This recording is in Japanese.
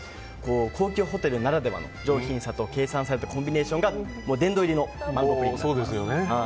高級ホテルならではの上品さと計算されたコンビネーションが殿堂入りのマンゴープリンです。